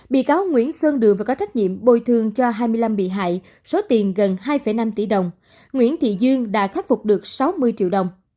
bị cáo nguyễn sơn đường và có trách nhiệm bồi thương cho hai mươi năm bị hại số tiền gần hai năm tỷ đồng nguyễn thị dương đã khắc phục được sáu mươi triệu đồng